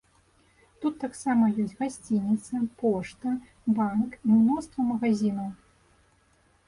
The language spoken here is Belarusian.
Тут таксама ёсць гасцініца, пошта, банк і мноства магазінаў.